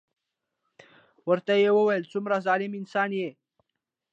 ورته يې وويل څومره ظلم انسان يې.